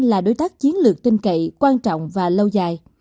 là đối tác chiến lược tinh cậy quan trọng và lâu dài